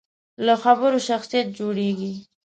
له خبرو شخصیت جوړېږي.